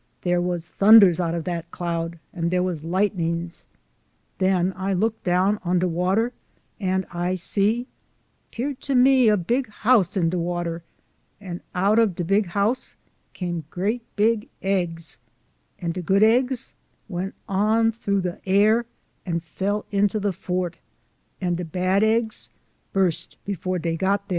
Der was tunders out of dat, an' der was lightnin's. Den I looked down on de water, an' I see, 'peared to me a big house in de water, an' out of de big house came great big eggs, arid de good eggs went on trou' de air, an' fell into de fort; an' de bad eggs burst before dey got dar.